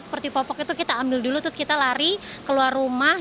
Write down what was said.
seperti popok itu kita ambil dulu terus kita lari keluar rumah